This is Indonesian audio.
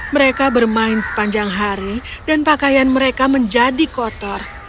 mereka bermain sepanjang hari dan pakaian mereka menjadi kotor